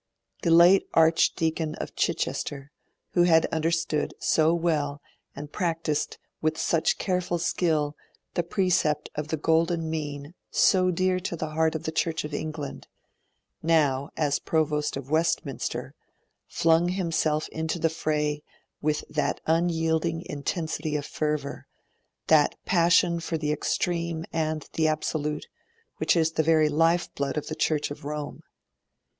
The late Archdeacon of Chichester, who had understood so well and practised with such careful skill the precept of the golden mean so dear to the heart of the Church of England, now, as Provost of Westminster, flung himself into the fray with that unyielding intensity of fervour, that passion for the extreme and the absolute, which is the very lifeblood of the Church of Rome.